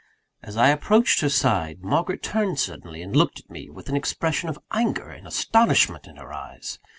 As I approached her side, Margaret turned suddenly and looked at me, with an expression of anger and astonishment in her eyes.